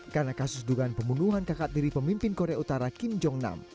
karena kasus dugaan pembunuhan kakak tiri pemimpin korea utara kim jong un